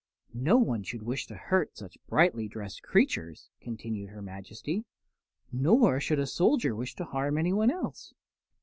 "No one should wish to hurt such brightly dressed creatures," continued her Majesty, "nor should a soldier wish to harm anyone else."